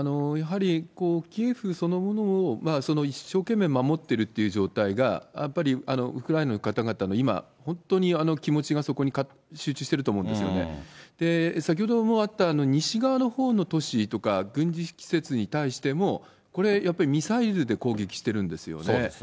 やはりキエフそのものを、その一生懸命守ってるという状況が、やっぱりウクライナの方々の今、本当に気持ちがそこに集中してると思うんですよね、先ほどもあった、西側のほうの都市とか、軍事施設に対しても、これ、やっぱり、ミサイルで攻撃してるんでそうですね。